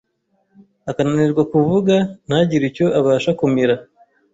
akananirwa kuvuga, ntagire icyo abasha kumira